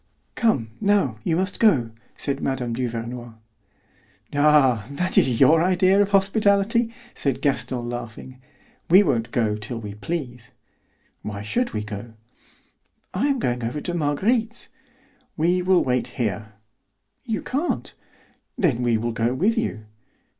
"Come, now, you must go," said Mme. Duvernoy. "Ah, that is your idea of hospitality," said Gaston, laughing; "we won't go till we please." "Why should we go?" "I am going over to Marguerite's." "We will wait here." "You can't." "Then we will go with you."